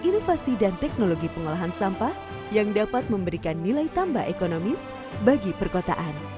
inovasi dan teknologi pengolahan sampah yang dapat memberikan nilai tambah ekonomis bagi perkotaan